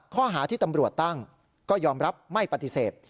ข้อหาที่ตำรวจตั้งก็ยอมรับไม่ปฏิเสธ